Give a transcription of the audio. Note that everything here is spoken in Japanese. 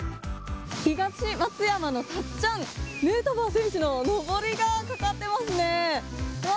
東松山のたっちゃん、ヌートバー選手ののぼりがかかってますね。